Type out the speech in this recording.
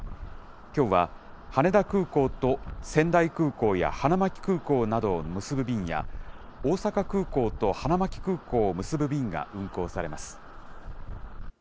きょうは羽田空港と仙台空港や花巻空港などを結ぶ便や、大阪空港と花巻空港を結ぶ便が運航されます。